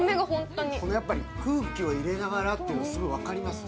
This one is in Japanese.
やっぱり空気を入れながらっていうのが分かります。